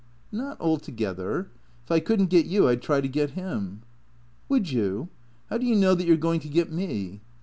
Not altogether. If I could n't get you I ^d try to get him." " Would you ? How do you know that you 're going to get me?"